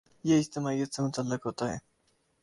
یہ اجتماعیت سے متعلق ہوتا ہے۔